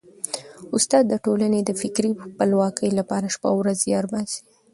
استاد د ټولني د فکري خپلواکۍ لپاره شپه او ورځ زیار باسي.